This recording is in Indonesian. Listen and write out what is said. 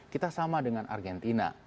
kita sama dengan argentina